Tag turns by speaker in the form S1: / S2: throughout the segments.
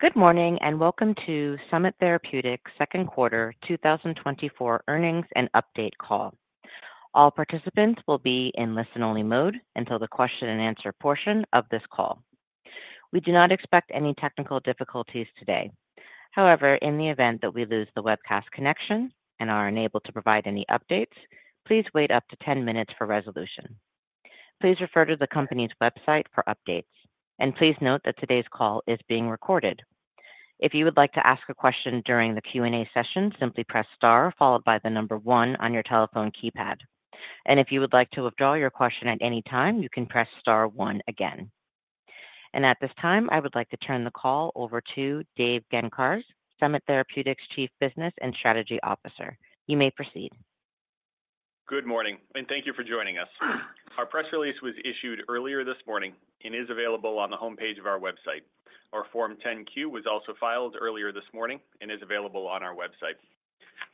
S1: Good morning, and welcome to Summit Therapeutics' Second Quarter 2024 Earnings and Update Call. All participants will be in listen-only mode until the question-and-answer portion of this call. We do not expect any technical difficulties today. However, in the event that we lose the webcast connection and are unable to provide any updates, please wait up to 10 minutes for resolution. Please refer to the company's website for updates, and please note that today's call is being recorded. If you would like to ask a question during the Q&A session, simply press star followed by the number one on your telephone keypad. If you would like to withdraw your question at any time, you can press star one again. At this time, I would like to turn the call over to Dave Gancarz, Summit Therapeutics' Chief Business and Strategy Officer. You may proceed.
S2: Good morning, and thank you for joining us. Our press release was issued earlier this morning and is available on the homepage of our website. Our Form 10-Q was also filed earlier this morning and is available on our website.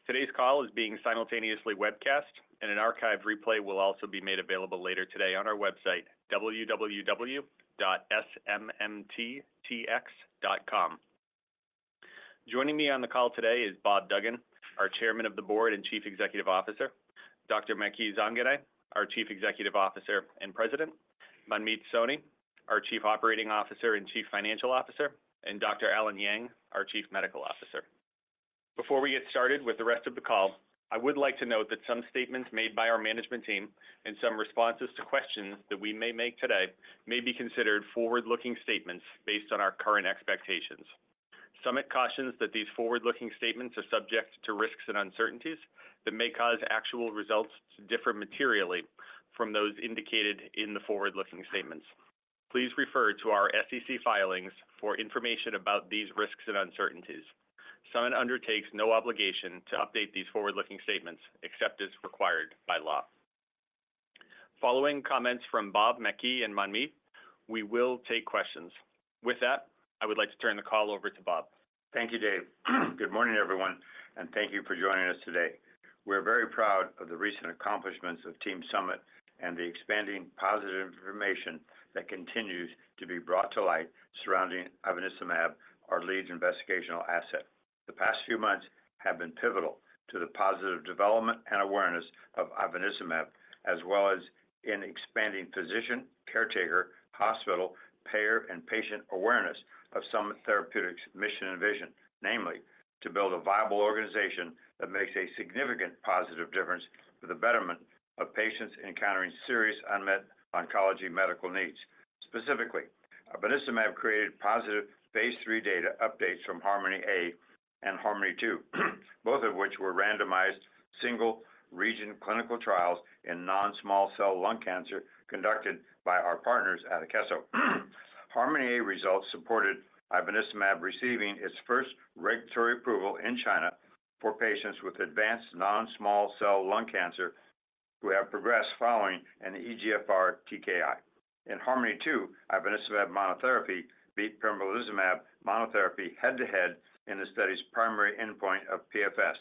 S2: Today's call is being simultaneously webcast, and an archive replay will also be made available later today on our website, www.smttx.com. Joining me on the call today is Bob Duggan, our Chairman of the Board and Chief Executive Officer, Dr. Maky Zanganeh, our Chief Executive Officer and President, Manmeet Soni, our Chief Operating Officer and Chief Financial Officer, and Dr. Allen Yang, our Chief Medical Officer. Before we get started with the rest of the call, I would like to note that some statements made by our management team and some responses to questions that we may make today may be considered forward-looking statements based on our current expectations. Summit cautions that these forward-looking statements are subject to risks and uncertainties that may cause actual results to differ materially from those indicated in the forward-looking statements. Please refer to our SEC filings for information about these risks and uncertainties. Summit undertakes no obligation to update these forward-looking statements except as required by law. Following comments from Bob, Maky, and Manmeet, we will take questions. With that, I would like to turn the call over to Bob.
S3: Thank you, Dave. Good morning, everyone, and thank you for joining us today. We're very proud of the recent accomplishments of Team Summit and the expanding positive information that continues to be brought to light surrounding ivonescimab, our lead investigational asset. The past few months have been pivotal to the positive development and awareness of ivonescimab, as well as in expanding physician, caretaker, hospital, payer, and patient awareness of Summit Therapeutics' mission and vision. Namely, to build a viable organization that makes a significant positive difference for the betterment of patients encountering serious unmet oncology medical needs. Specifically, ivonescimab created positive phase III data updates from HARMONi-A and HARMONi-2, both of which were randomized, single-region clinical trials in non-small cell lung cancer conducted by our partners at Akeso. HARMONi-A results supported ivonescimab receiving its first regulatory approval in China for patients with advanced non-small cell lung cancer who have progressed following an EGFR TKI. In HARMONi-2, ivonescimab monotherapy beat pembrolizumab monotherapy head-to-head in the study's primary endpoint of PFS,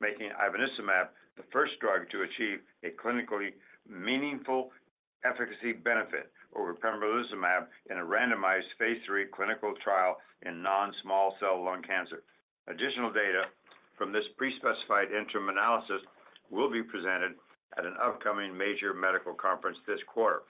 S3: making ivonescimab the first drug to achieve a clinically meaningful efficacy benefit over pembrolizumab in a randomized phase III clinical trial in non-small cell lung cancer. Additional data from this pre-specified interim analysis will be presented at an upcoming major medical conference this quarter.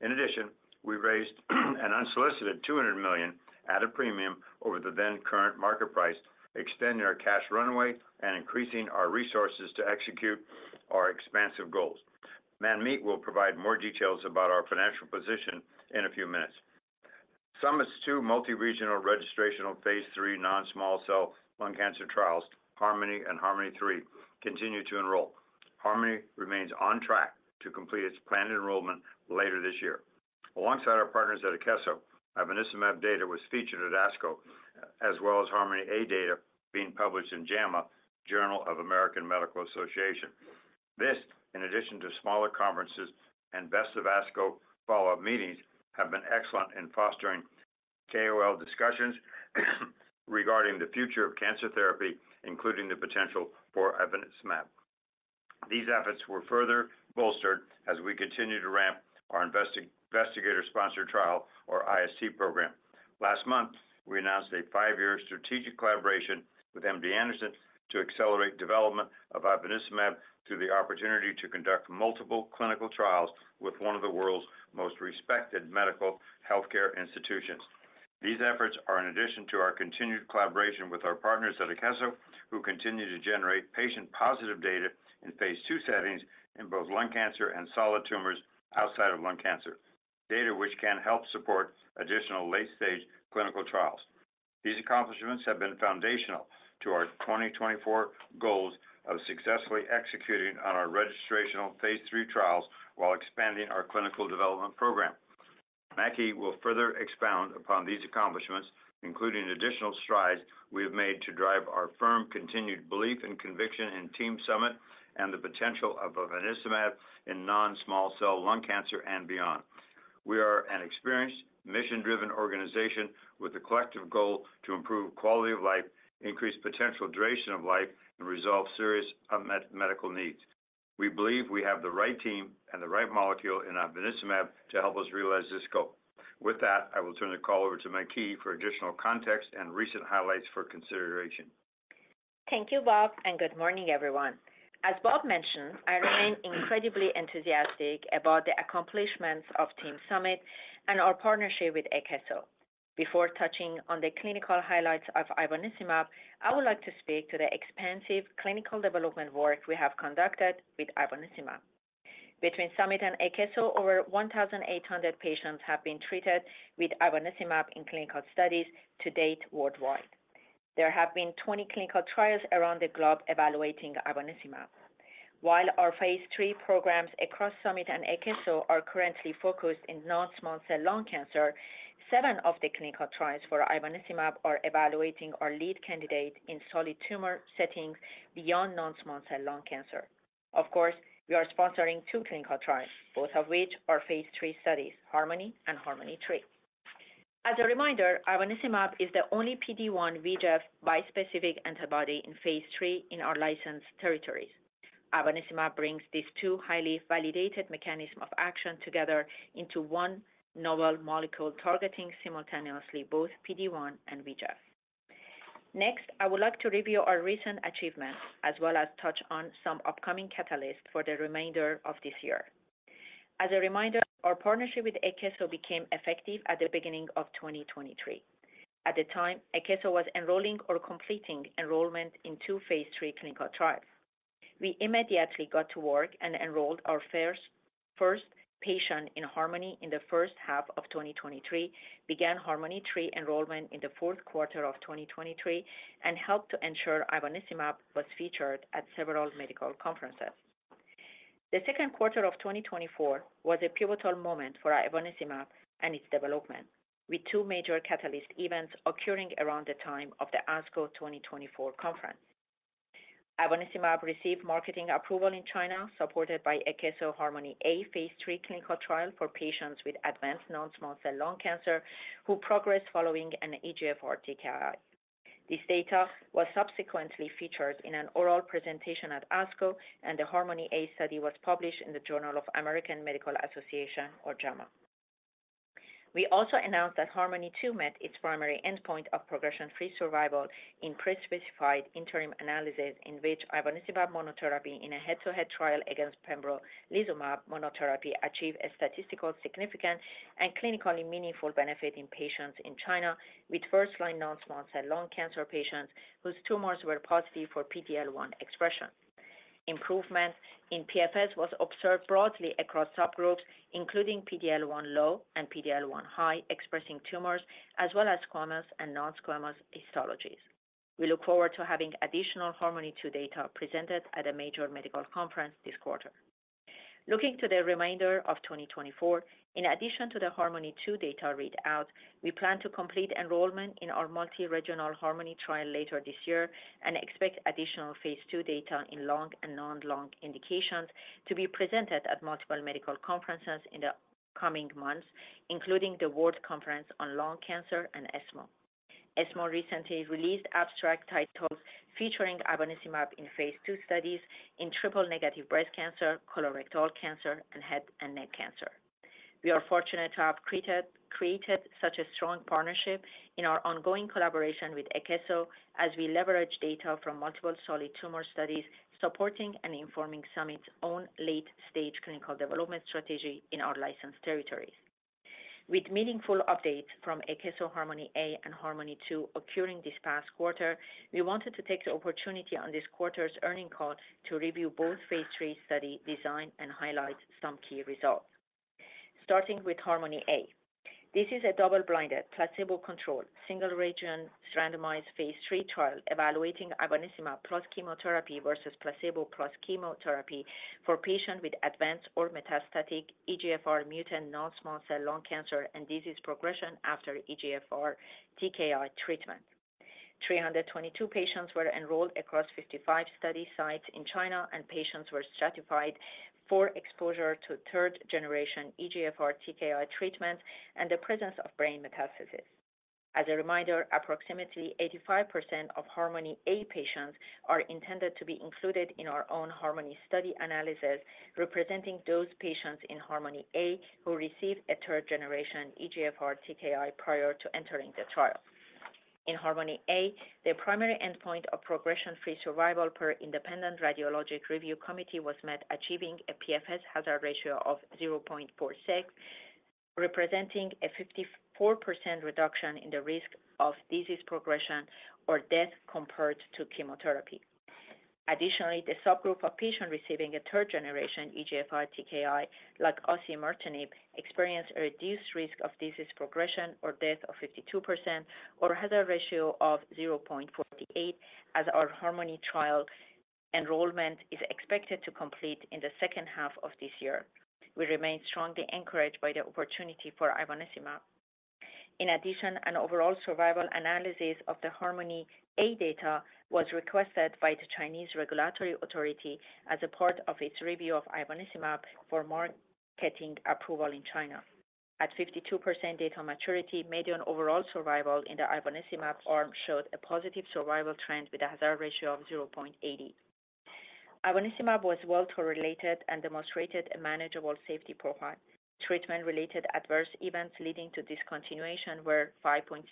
S3: In addition, we raised an unsolicited $200 million at a premium over the then current market price, extending our cash runway and increasing our resources to execute our expansive goals. Manmeet will provide more details about our financial position in a few minutes. Summit's two multi-regional registrational phase III non-small cell lung cancer trials, HARMONi and HARMONi-3, continue to enroll. HARMONi remains on track to complete its planned enrollment later this year. Alongside our partners at Akeso, ivonescimab data was featured at ASCO, as well as HARMONi-A data being published in JAMA, Journal of the American Medical Association. This, in addition to smaller conferences and Best of ASCO follow-up meetings, have been excellent in fostering KOL discussions regarding the future of cancer therapy, including the potential for ivonescimab. These efforts were further bolstered as we continued to ramp our investigator-sponsored trial or IST program. Last month, we announced a five-year strategic collaboration with MD Anderson to accelerate development of ivonescimab through the opportunity to conduct multiple clinical trials with one of the world's most respected medical healthcare institutions. These efforts are in addition to our continued collaboration with our partners at Akeso, who continue to generate patient-positive data in phase II settings in both lung cancer and solid tumors outside of lung cancer, data which can help support additional late-stage clinical trials. These accomplishments have been foundational to our 2024 goals of successfully executing on our registrational phase III trials while expanding our clinical development program. Maky will further expound upon these accomplishments, including additional strides we have made to drive our firm continued belief and conviction in Team Summit and the potential of ivonescimab in non-small cell lung cancer and beyond. We are an experienced, mission-driven organization with a collective goal to improve quality of life, increase potential duration of life, and resolve serious unmet medical needs.... We believe we have the right team and the right molecule in ivonescimab to help us realize this goal. With that, I will turn the call over to Maky for additional context and recent highlights for consideration.
S4: Thank you, Bob, and good morning, everyone. As Bob mentioned, I remain incredibly enthusiastic about the accomplishments of Team Summit and our partnership with Akeso. Before touching on the clinical highlights of ivonescimab, I would like to speak to the expansive clinical development work we have conducted with ivonescimab. Between Summit and Akeso, over 1,800 patients have been treated with ivonescimab in clinical studies to date worldwide. There have been 20 clinical trials around the globe evaluating ivonescimab. While our phase III programs across Summit and Akeso are currently focused in non-small cell lung cancer, seven of the clinical trials for ivonescimab are evaluating our lead candidate in solid tumor settings beyond non-small cell lung cancer. Of course, we are sponsoring two clinical trials, both of which are phase III studies, HARMONi and HARMONi-3. As a reminder, ivonescimab is the only PD-1 VEGF bispecific antibody in phase III in our licensed territories. ivonescimab brings these two highly validated mechanism of action together into one novel molecule, targeting simultaneously both PD-1 and VEGF. Next, I would like to review our recent achievements as well as touch on some upcoming catalysts for the remainder of this year. As a reminder, our partnership with Akeso became effective at the beginning of 2023. At the time, Akeso was enrolling or completing enrollment in two phase III clinical trials. We immediately got to work and enrolled our first patient in HARMONi in the first half of 2023, began HARMONi-3 enrollment in the fourth quarter of 2023, and helped to ensure ivonescimab was featured at several medical conferences. The second quarter of 2024 was a pivotal moment for our ivonescimab and its development, with two major catalyst events occurring around the time of the ASCO 2024 conference. Ivonescimab received marketing approval in China, supported by Akeso HARMONi-A Phase III clinical trial for patients with advanced non-small cell lung cancer who progressed following an EGFR TKI. This data was subsequently featured in an oral presentation at ASCO, and the HARMONi-A study was published in the Journal of the American Medical Association, or JAMA. We also announced that HARMONi-2 met its primary endpoint of progression-free survival in pre-specified interim analysis, in which ivonescimab monotherapy in a head-to-head trial against pembrolizumab monotherapy achieved a statistically significant and clinically meaningful benefit in patients in China with first-line non-small cell lung cancer whose tumors were positive for PD-L1 expression. Improvement in PFS was observed broadly across subgroups, including PD-L1 low and PD-L1 high-expressing tumors, as well as squamous and non-squamous histologies. We look forward to having additional HARMONi-2 data presented at a major medical conference this quarter. Looking to the remainder of 2024, in addition to the HARMONi-2 data read-out, we plan to complete enrollment in our multi-regional HARMONi trial later this year and expect additional phase II data in lung and non-lung indications to be presented at multiple medical conferences in the upcoming months, including the World Conference on Lung Cancer and ESMO. ESMO recently released abstract titles featuring ivonescimab in phase II studies in triple-negative breast cancer, colorectal cancer, and head and neck cancer. We are fortunate to have created such a strong partnership in our ongoing collaboration with Akeso as we leverage data from multiple solid tumor studies, supporting and informing Summit's own late-stage clinical development strategy in our licensed territories. With meaningful updates from Akeso HARMONi-A and HARMONi-2 occurring this past quarter, we wanted to take the opportunity on this quarter's earnings call to review both phase III study design and highlight some key results. Starting with HARMONi-A, this is a double-blinded, placebo-controlled, single-region randomized phase III trial evaluating ivonescimab plus chemotherapy versus placebo plus chemotherapy for patients with advanced or metastatic EGFR mutant non-small cell lung cancer and disease progression after EGFR TKI treatment. 322 patients were enrolled across 55 study sites in China, and patients were stratified for exposure to third-generation EGFR TKI treatment and the presence of brain metastasis. As a reminder, approximately 85% of HARMONi-A patients are intended to be included in our own HARMONi study analysis, representing those patients in HARMONi-A who received a third-generation EGFR TKI prior to entering the trial. In HARMONi-A, the primary endpoint of progression-free survival per Independent Radiologic Review Committee was met, achieving a PFS hazard ratio of 0.46, representing a 54% reduction in the risk of disease progression or death compared to chemotherapy. Additionally, the subgroup of patients receiving a third-generation EGFR TKI, like osimertinib, experienced a reduced risk of disease progression or death of 52% or a hazard ratio of 0.48, as our HARMONi trial enrollment is expected to complete in the second half of this year. We remain strongly encouraged by the opportunity for ivonescimab. In addition, an overall survival analysis of the HARMONi-A data was requested by the Chinese Regulatory Authority as a part of its review of ivonescimab for marketing approval in China, at 52% data maturity, median overall survival in the ivonescimab arm showed a positive survival trend with a hazard ratio of 0.80. ivonescimab was well tolerated and demonstrated a manageable safety profile. Treatment-related adverse events leading to discontinuation were 5.6%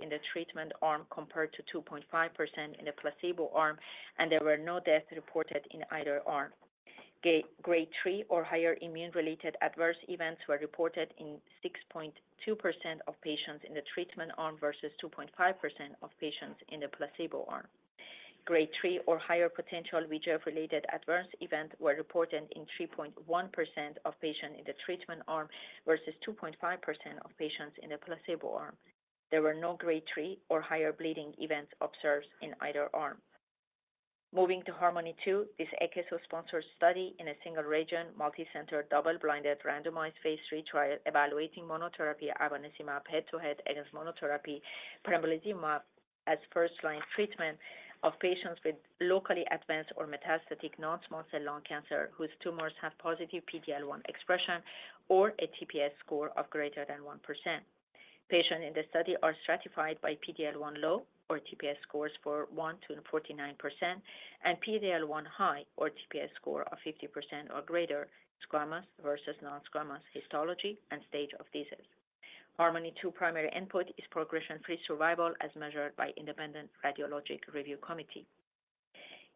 S4: in the treatment arm, compared to 2.5% in the placebo arm, and there were no deaths reported in either arm. Grade three or higher immune-related adverse events were reported in 6.2% of patients in the treatment arm versus 2.5% of patients in the placebo arm. Grade three or higher potential VEGF-related adverse events were reported in 3.1% of patients in the treatment arm versus 2.5% of patients in the placebo arm. There were no Grade three or higher bleeding events observed in either arm. Moving to HARMONi-2, this Akeso-sponsored study in a single-region, multicenter, double-blinded, randomized, phase III trial evaluating monotherapy ivonescimab head-to-head against monotherapy pembrolizumab as first-line treatment of patients with locally advanced or metastatic non-small cell lung cancer, whose tumors have positive PD-L1 expression or a TPS score of greater than 1%. Patients in the study are stratified by PD-L1 low or TPS scores of 1%-49% and PD-L1 high or TPS score of 50% or greater, squamous versus non-squamous histology, and stage of disease. HARMONi-2 primary endpoint is progression-free survival as measured by independent radiologic review committee.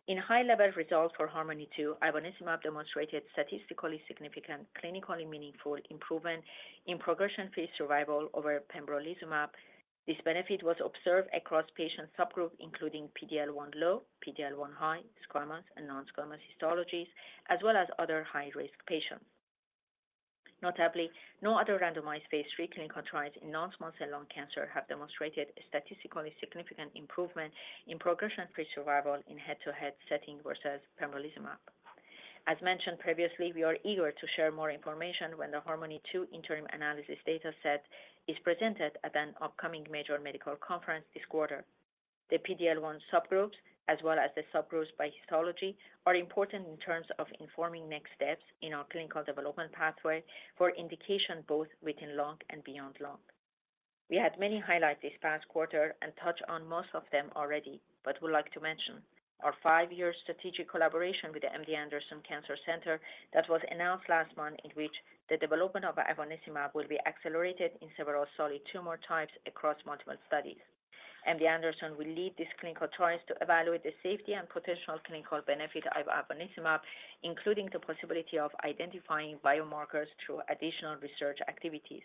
S4: In high-level results for HARMONi-2, ivonescimab demonstrated statistically significant, clinically meaningful improvement in progression-free survival over pembrolizumab. This benefit was observed across patient subgroups, including PD-L1 low, PD-L1 high, squamous and non-squamous histologies, as well as other high-risk patients. Notably, no other randomized Phase III clinical trials in non-small cell lung cancer have demonstrated a statistically significant improvement in progression-free survival in head-to-head setting versus pembrolizumab. As mentioned previously, we are eager to share more information when the HARMONi-2 interim analysis data set is presented at an upcoming major medical conference this quarter. The PD-L1 subgroups, as well as the subgroups by histology, are important in terms of informing next steps in our clinical development pathway for indication both within lung and beyond lung. We had many highlights this past quarter and touched on most of them already, but would like to mention our five-year strategic collaboration with the MD Anderson Cancer Center that was announced last month, in which the development of ivonescimab will be accelerated in several solid tumor types across multiple studies. MD Anderson will lead these clinical trials to evaluate the safety and potential clinical benefit of ivonescimab, including the possibility of identifying biomarkers through additional research activities.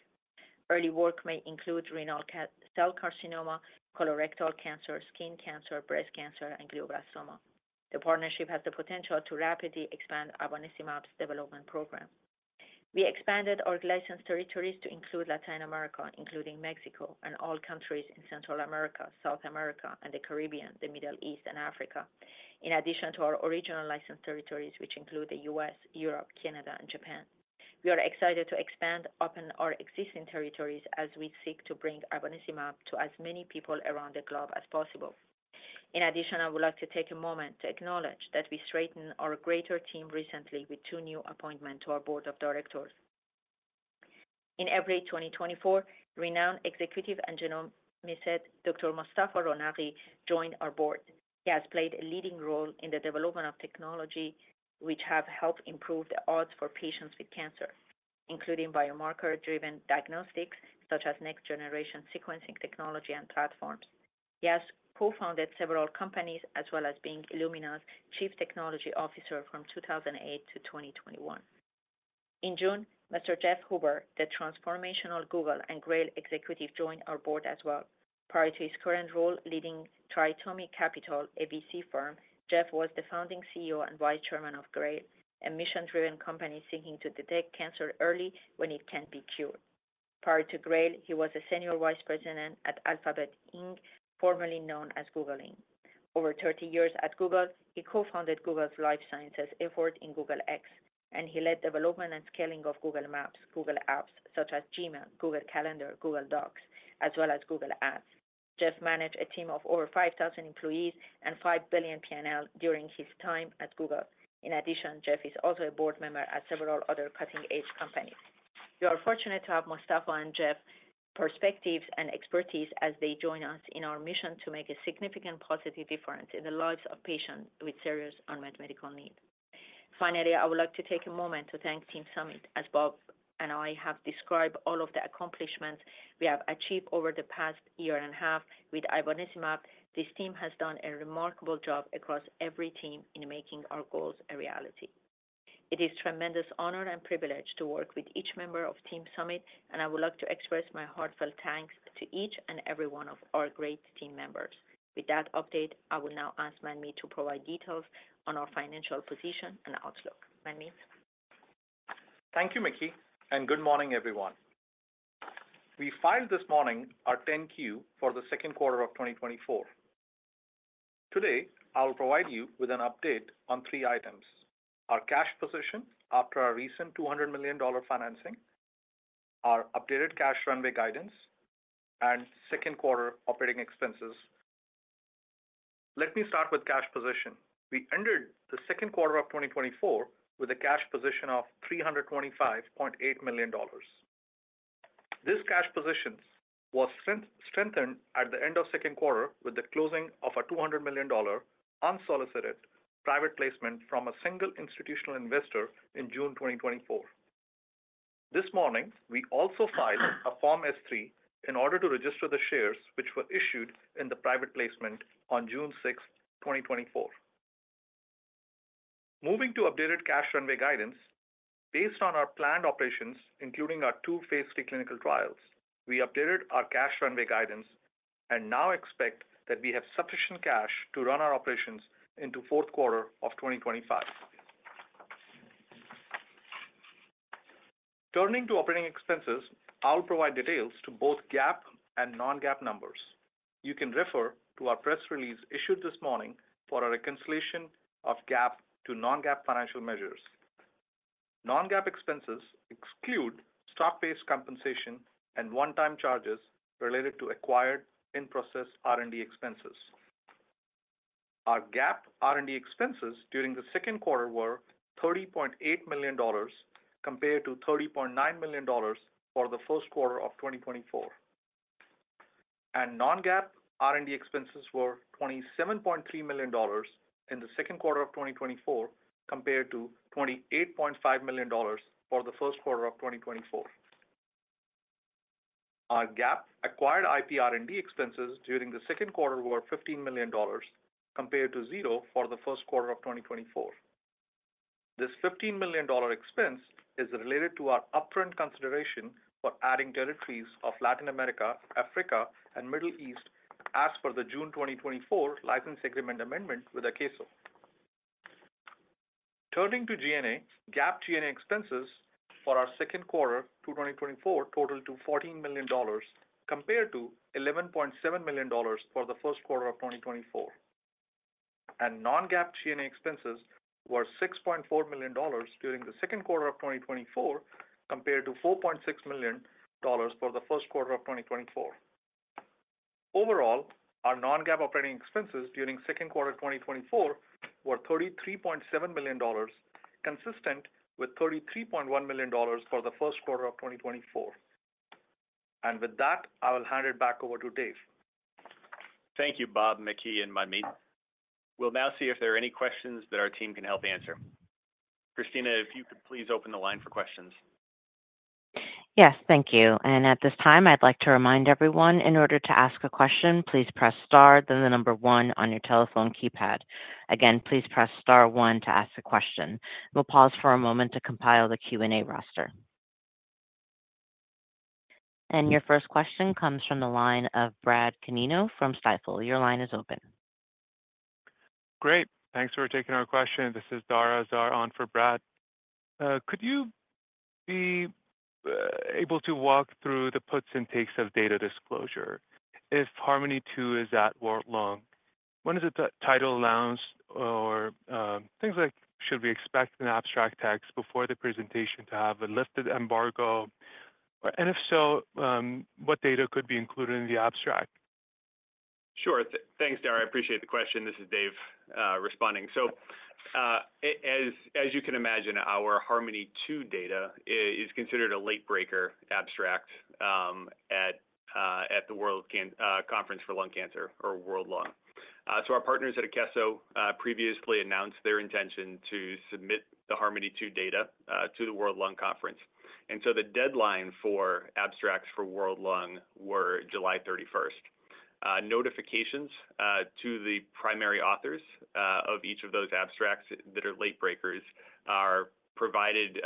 S4: Early work may include renal cell carcinoma, colorectal cancer, skin cancer, breast cancer, and glioblastoma. The partnership has the potential to rapidly expand ivonescimab's development program. We expanded our licensed territories to include Latin America, including Mexico and all countries in Central America, South America and the Caribbean, the Middle East, and Africa. In addition to our original licensed territories, which include the U.S., Europe, Canada, and Japan. We are excited to expand upon our existing territories as we seek to bring ivonescimab to as many people around the globe as possible. In addition, I would like to take a moment to acknowledge that we strengthened our greater team recently with two new appointments to our board of directors. In April 2024, renowned executive and genomicist, Dr. Mostafa Ronaghi, joined our board. He has played a leading role in the development of technology, which have helped improve the odds for patients with cancer, including biomarker-driven diagnostics, such as next-generation sequencing technology and platforms. He has co-founded several companies, as well as being Illumina's Chief Technology Officer from 2008 to 2021. In June, Mr. Jeff Huber, the transformational Google and GRAIL executive, joined our board as well. Prior to his current role leading Triatomic Capital, a VC firm, Jeff was the founding CEO and vice chairman of GRAIL, a mission-driven company seeking to detect cancer early when it can be cured. Prior to GRAIL, he was a Senior Vice President at Alphabet Inc, formerly known as Google Inc. Over 30 years at Google, he co-founded Google's life sciences effort in Google X, and he led development and scaling of Google Maps, Google Apps, such as Gmail, Google Calendar, Google Docs, as well as Google Ads. Jeff managed a team of over 5,000 employees and five billion P&L during his time at Google. In addition, Jeff is also a board member at several other cutting-edge companies. We are fortunate to have Mostafa and Jeff's perspectives and expertise as they join us in our mission to make a significant positive difference in the lives of patients with serious unmet medical needs. Finally, I would like to take a moment to thank Team Summit. As Bob and I have described all of the accomplishments we have achieved over the past year and a half with ivonescimab, this team has done a remarkable job across every team in making our goals a reality. It is tremendous honor and privilege to work with each member of Team Summit, and I would like to express my heartfelt thanks to each and every one of our great team members. With that update, I will now ask Manmeet to provide details on our financial position and outlook. Manmeet?
S5: Thank you, Maky, and good morning, everyone. We filed this morning our 10-Q for the second quarter of 2024. Today, I will provide you with an update on three items: our cash position after our recent $200 million financing, our updated cash runway guidance, and second quarter operating expenses. Let me start with cash position. We ended the second quarter of 2024 with a cash position of $325.8 million. This cash position was strengthened at the end of second quarter with the closing of a $200 million unsolicited private placement from a single institutional investor in June 2024. This morning, we also filed a Form S-3 in order to register the shares, which were issued in the private placement on June 6th, 2024. Moving to updated cash runway guidance, based on our planned operations, including our two phase II clinical trials, we updated our cash runway guidance and now expect that we have sufficient cash to run our operations into fourth quarter of 2025. Turning to operating expenses, I'll provide details to both GAAP and non-GAAP numbers. You can refer to our press release issued this morning for a reconciliation of GAAP to non-GAAP financial measures. Non-GAAP expenses exclude stock-based compensation and one-time charges related to acquired in-process R&D expenses. Our GAAP R&D expenses during the second quarter were $30.8 million, compared to $30.9 million for the first quarter of 2024. Non-GAAP R&D expenses were $27.3 million in the second quarter of 2024, compared to $28.5 million for the first quarter of 2024. Our GAAP acquired IP R&D expenses during the second quarter were $15 million, compared to 0 for the first quarter of 2024. This $15 million expense is related to our upfront consideration for adding territories of Latin America, Africa, and Middle East as per the June 2024 license agreement amendment with Akeso. Turning to G&A, GAAP G&A expenses for our second quarter of 2024 totaled $14 million, compared to $11.7 million for the first quarter of 2024. Non-GAAP G&A expenses were $6.4 million during the second quarter of 2024, compared to $4.6 million for the first quarter of 2024. Overall, our non-GAAP operating expenses during second quarter 2024 were $33.7 million, consistent with $33.1 million for the first quarter of 2024. With that, I will hand it back over to Dave.
S2: Thank you, Bob, Maky, and Manmeet. We'll now see if there are any questions that our team can help answer. Christina, if you could please open the line for questions.
S1: Yes, thank you. And at this time, I'd like to remind everyone, in order to ask a question, please press star, then the number one on your telephone keypad. Again, please press star one to ask a question. We'll pause for a moment to compile the Q&A roster. And your first question comes from the line of Brad Canino from Stifel. Your line is open.
S6: Great. Thanks for taking our question. This is Dara Azar on for Brad. Could you be able to walk through the puts and takes of data disclosure if HARMONi-2 is at World Lung? When is the title announced, or things like, should we expect an abstract text before the presentation to have a lifted embargo? And if so, what data could be included in the abstract?
S2: Sure. Thanks, Dara. I appreciate the question. This is Dave responding. So, as you can imagine, our HARMONi-2 data is considered a late breaker abstract at the World Conference on Lung Cancer or World Lung. So our partners at Akeso previously announced their intention to submit the HARMONi-2 data to the World Lung Conference. So the deadline for abstracts for World Lung were July 31st. Notifications to the primary authors of each of those abstracts that are late breakers are provided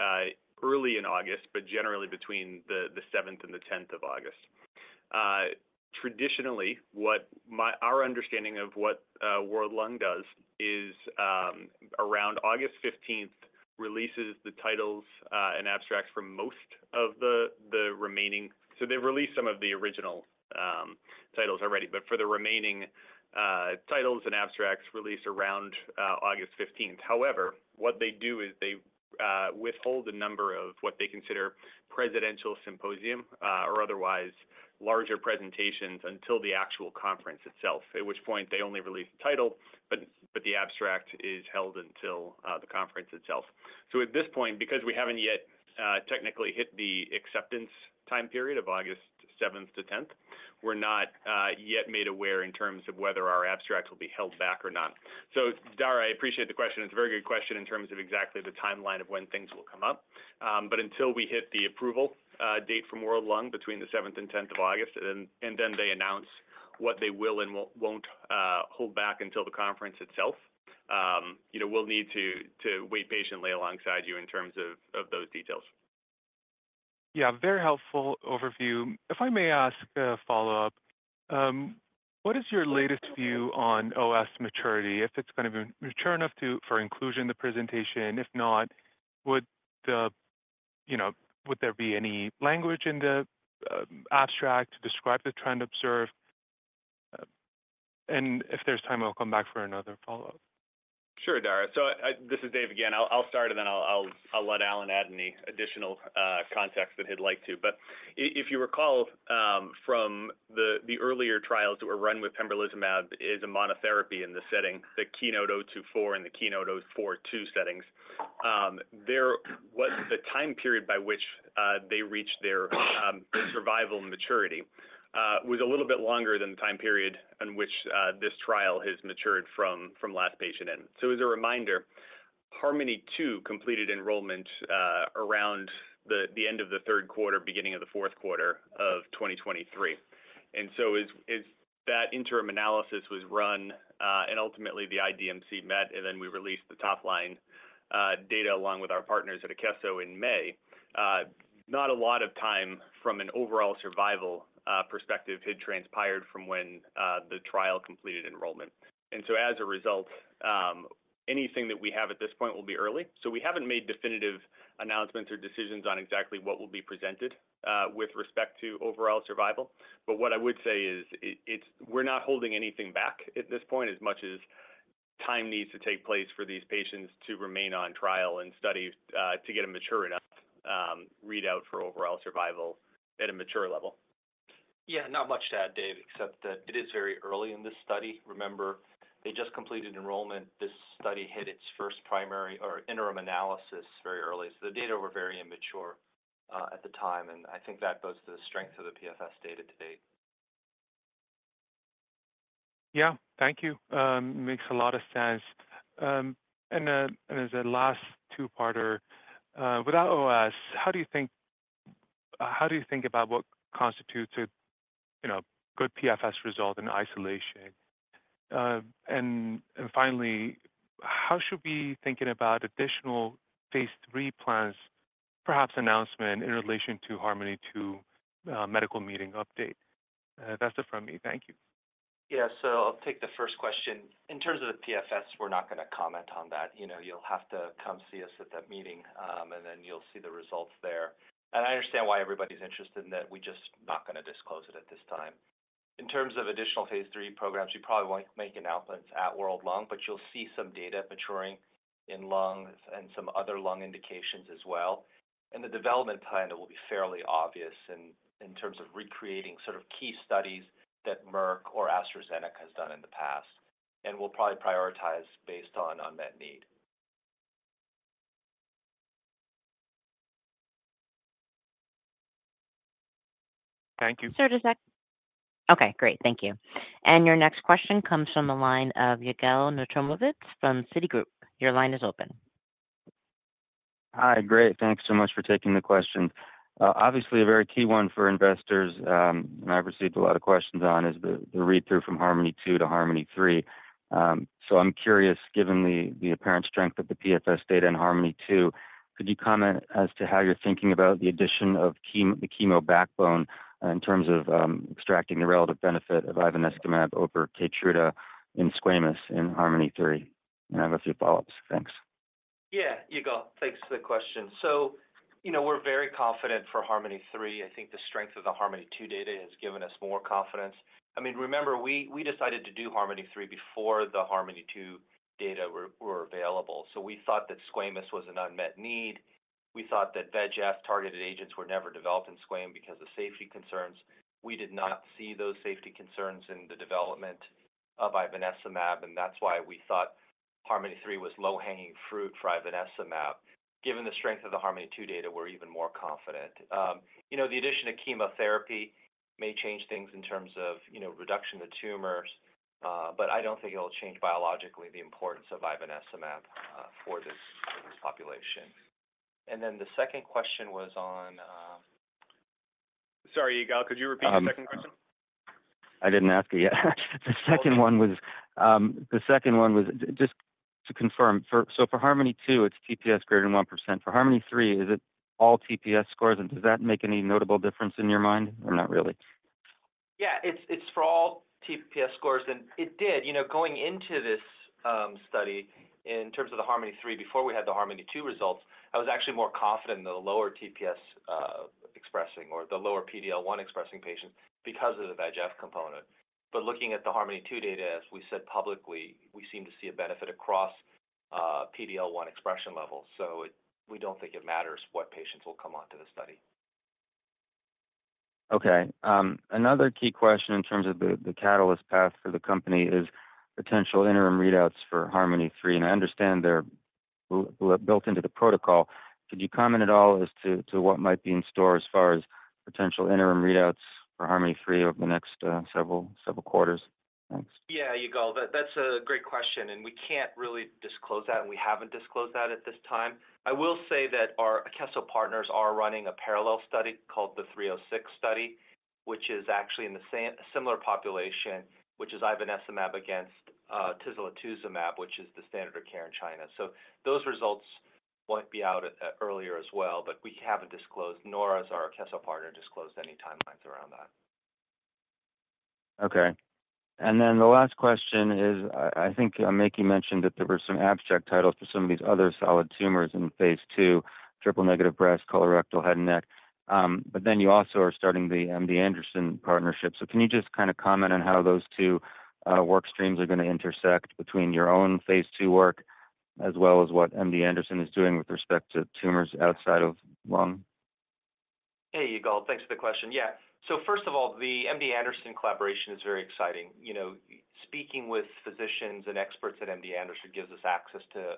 S2: early in August, but generally between the 7th and the 10th of August. Traditionally, our understanding of what World Lung does is around August 15th, releases the titles and abstracts from most of the remaining. So they've released some of the original, titles already, but for the remaining, titles and abstracts released around, August 15th. However, what they do is they, withhold the number of what they consider Presidential Symposium, or otherwise larger presentations until the actual conference itself, at which point they only release the title, but, but the abstract is held until, the conference itself. So at this point, because we haven't yet, technically hit the acceptance time period of August seventh to tenth, we're not, yet made aware in terms of whether our abstract will be held back or not. So Dara, I appreciate the question. It's a very good question in terms of exactly the timeline of when things will come up. But until we hit the approval date from World Lung between the 7th and 10th of August, and then they announce what they will and won't hold back until the conference itself, you know, we'll need to wait patiently alongside you in terms of those details.
S6: Yeah, very helpful overview. If I may ask a follow-up, what is your latest view on OS maturity? If it's going to be mature enough to, for inclusion in the presentation. If not, would the, you know, would there be any language in the, abstract to describe the trend observed? And if there's time, I'll come back for another follow-up....
S2: Sure, Dara. So, I, this is Dave again. I'll start, and then I'll let Allen add any additional context that he'd like to. But if you recall, from the earlier trials that were run with pembrolizumab as a monotherapy in the setting, the Keynote-024 and the Keynote-042 settings. There was the time period by which they reached their survival maturity was a little bit longer than the time period in which this trial has matured from last patient in. So as a reminder, HARMONi-2 completed enrollment around the end of the third quarter, beginning of the fourth quarter of 2023. And so as that interim analysis was run, and ultimately the IDMC met, and then we released the top line data along with our partners at Akeso in May. Not a lot of time from an overall survival perspective had transpired from when the trial completed enrollment. And so as a result, anything that we have at this point will be early. So we haven't made definitive announcements or decisions on exactly what will be presented with respect to overall survival. But what I would say is, it's, we're not holding anything back at this point, as much as time needs to take place for these patients to remain on trial and study to get a mature enough readout for overall survival at a mature level.
S7: Yeah, not much to add, Dave, except that it is very early in this study. Remember, they just completed enrollment. This study hit its first primary or interim analysis very early, so the data were very immature, at the time, and I think that goes to the strength of the PFS data to date.
S6: Yeah. Thank you. Makes a lot of sense. And as a last two-parter, without OS, how do you think about what constitutes a, you know, good PFS result in isolation? And finally, how should we be thinking about additional phase III plans, perhaps announcement in relation to HARMONi-2, medical meeting update? That's it from me. Thank you.
S7: Yeah. So I'll take the first question. In terms of the PFS, we're not gonna comment on that. You know, you'll have to come see us at that meeting, and then you'll see the results there. And I understand why everybody's interested in that. We're just not gonna disclose it at this time. In terms of additional phase III programs, you probably won't make announcements at World Lung, but you'll see some data maturing in lungs and some other lung indications as well. And the development plan will be fairly obvious in terms of recreating sort of key studies that Merck or AstraZeneca has done in the past, and we'll probably prioritize based on that need.
S6: Thank you.
S1: Sir. Okay, great. Thank you. And your next question comes from the line of Yigal Nochomovitz from Citigroup. Your line is open.
S8: Hi. Great, thanks so much for taking the question. Obviously, a very key one for investors, and I've received a lot of questions on, is the, the read-through from HARMONi-2 to HARMONi-3. So I'm curious, given the, the apparent strength of the PFS data in HARMONi-2, could you comment as to how you're thinking about the addition of the chemo backbone in terms of, extracting the relative benefit of ivonescimab over Keytruda in squamous, in HARMONi-3? And I have a few follow-ups. Thanks.
S7: Yeah, Yigal. Thanks for the question. So, you know, we're very confident for HARMONi-3. I think the strength of the HARMONi-2 data has given us more confidence. I mean, remember, we decided to do HARMONi-3 before the HARMONi-2 data were available. So we thought that squamous was an unmet need. We thought that VEGF-targeted agents were never developed in squamous because of safety concerns. We did not see those safety concerns in the development of ivonescimab, and that's why we thought HARMONi-3 was low-hanging fruit for ivonescimab. Given the strength of the HARMONi-2 data, we're even more confident. You know, the addition of chemotherapy may change things in terms of, you know, reduction to tumors, but I don't think it'll change biologically the importance of ivonescimab for this, for this population. And then the second question was on...
S2: Sorry, Yigal, could you repeat the second question?
S8: I didn't ask it yet. The second one was, the second one was just to confirm. So for HARMONi-2, it's TPS greater than 1%. For HARMONi-3, is it all TPS scores, and does that make any notable difference in your mind, or not really?
S7: Yeah, it's for all TPS scores, and it did. You know, going into this study in terms of the HARMONi-3, before we had the HARMONi-2 results, I was actually more confident in the lower TPS expressing or the lower PD-L1-expressing patients because of the VEGF component. But looking at the HARMONi-2 data, as we said publicly, we seem to see a benefit across PD-L1 expression levels. So it—we don't think it matters what patients will come onto the study.
S8: Okay. Another key question in terms of the catalyst path for the company is potential interim readouts for HARMONi 3, and I understand they're built into the protocol. Could you comment at all as to what might be in store as far as potential interim readouts for HARMONi 3 over the next several quarters? Thanks.
S7: Yeah, Yigal, that, that's a great question, and we can't really disclose that, and we haven't disclosed that at this time. I will say that our Akeso partners are running a parallel study called the 306 study, which is actually in the same, a similar population, which is ivonescimab against, tislelizumab, which is the standard of care in China. So those results won't be out, earlier as well, but we haven't disclosed, nor has our Akeso partner disclosed any timelines around that.
S8: Okay. And then the last question is, I think, Maky mentioned that there were some abstract titles for some of these other solid tumors in phase II, triple negative breast, colorectal, head and neck. But then you also are starting the MD Anderson partnership. So can you just kind of comment on how those two work streams are gonna intersect between your own phase II work, as well as what MD Anderson is doing with respect to tumors outside of lung?...
S7: Hey, Yigal, thanks for the question. Yeah, so first of all, the MD Anderson collaboration is very exciting. You know, speaking with physicians and experts at MD Anderson gives us access to,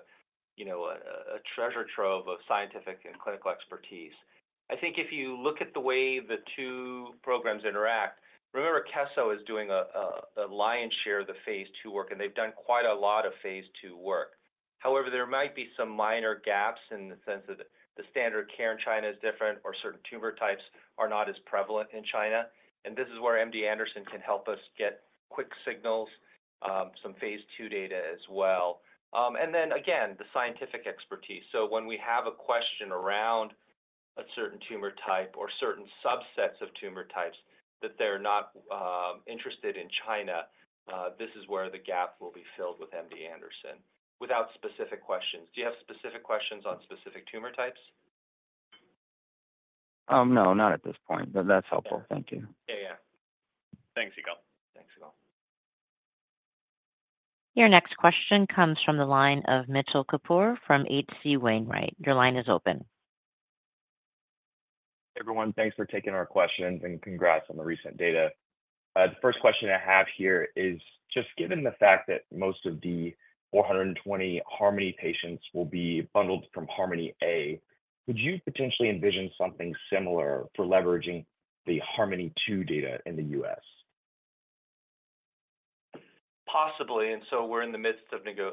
S7: you know, a treasure trove of scientific and clinical expertise. I think if you look at the way the two programs interact, remember Akeso is doing a lion's share of the phase II work, and they've done quite a lot of phase II work. However, there might be some minor gaps in the sense that the standard care in China is different or certain tumor types are not as prevalent in China, and this is where MD Anderson can help us get quick signals, some phase II data as well. And then again, the scientific expertise. So when we have a question around a certain tumor type or certain subsets of tumor types that they're not interested in China, this is where the gap will be filled with MD Anderson. Without specific questions. Do you have specific questions on specific tumor types?
S8: No, not at this point, but that's helpful.
S7: Yeah.
S8: Thank you.
S7: Yeah, yeah. Thanks, Yigal.
S2: Thanks, Yigal.
S1: Your next question comes from the line of Mitchell Kapoor from H.C. Wainwright. Your line is open.
S9: Everyone, thanks for taking our questions, and congrats on the recent data. The first question I have here is, just given the fact that most of the 420 HARMONi patients will be bundled from HARMONi-A, would you potentially envision something similar for leveraging the HARMONi-2 data in the US?
S7: Possibly, and so we're in the midst of negotiations,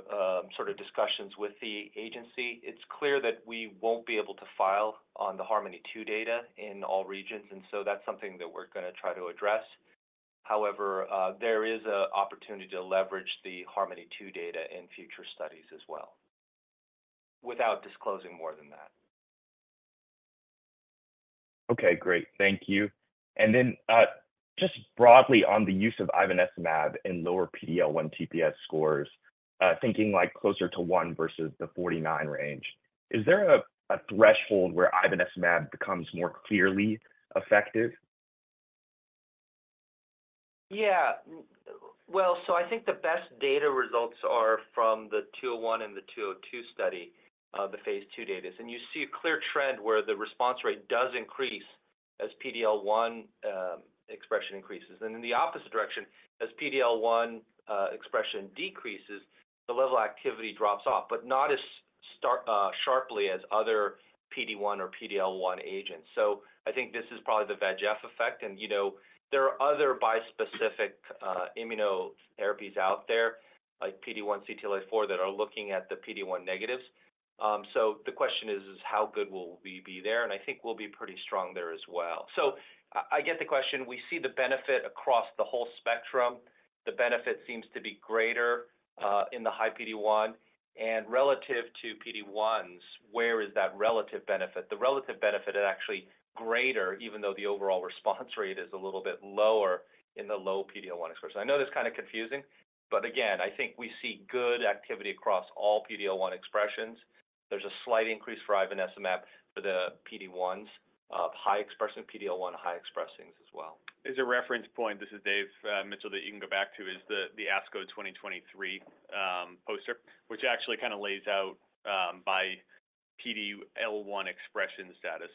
S7: sort of discussions with the agency. It's clear that we won't be able to file on the HARMONi-2 data in all regions, and so that's something that we're gonna try to address. However, there is an opportunity to leverage the HARMONi-2 data in future studies as well, without disclosing more than that.
S9: Okay, great. Thank you. And then, just broadly on the use of ivonescimab in lower PD-L1 TPS scores, thinking like closer to one versus the 49 range, is there a threshold where ivonescimab becomes more clearly effective?
S7: Yeah. Well, so I think the best data results are from the 201 and the 202 study, the phase II data. And you see a clear trend where the response rate does increase as PD-L1 expression increases. And in the opposite direction, as PD-L1 expression decreases, the level of activity drops off, but not as sharply as other PD-1 or PD-L1 agents. So I think this is probably the VEGF effect. And, you know, there are other bispecific immunotherapies out there, like PD-1 CTLA-4, that are looking at the PD-1 negatives. So the question is, how good will we be there? And I think we'll be pretty strong there as well. So I get the question. We see the benefit across the whole spectrum. The benefit seems to be greater in the high PD-1. Relative to PD-1s, where is that relative benefit? The relative benefit is actually greater, even though the overall response rate is a little bit lower in the low PD-L1 expression. I know that's kind of confusing, but again, I think we see good activity across all PD-L1 expressions. There's a slight increase for ivonescimab for the PD-1s, high expression, PD-L1 high expressions as well.
S2: As a reference point, this is Dave, Mitchell, that you can go back to, is the ASCO 2023 poster, which actually kind of lays out, by PD-L1 expression status,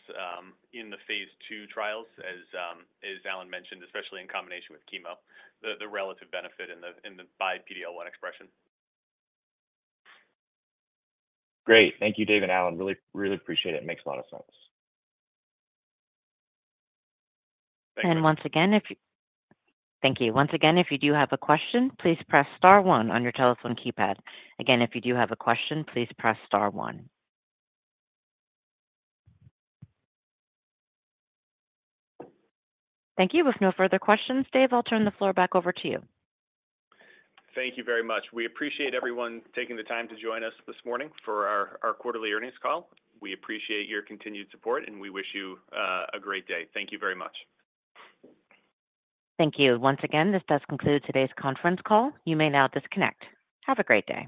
S2: in the phase II trials, as Allen mentioned, especially in combination with chemo, the relative benefit in the by PD-L1 expression.
S9: Great. Thank you, Dave and Allen. Really, really appreciate it. It makes a lot of sense.
S1: Thank you. Once again, if you do have a question, please press star one on your telephone keypad. Again, if you do have a question, please press star one. Thank you. With no further questions, Dave, I'll turn the floor back over to you.
S2: Thank you very much. We appreciate everyone taking the time to join us this morning for our quarterly earnings call. We appreciate your continued support, and we wish you a great day. Thank you very much.
S1: Thank you. Once again, this does conclude today's conference call. You may now disconnect. Have a great day.